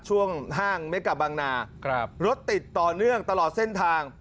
ห้างเมกะบางนารถติดต่อเนื่องตลอดเส้นทาง